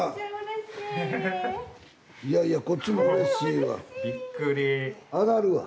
いやいやこっちもうれしいわ。